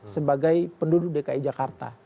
sebagai penduduk dki jakarta